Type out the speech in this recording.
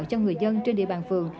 cho người dân trên địa bàn phường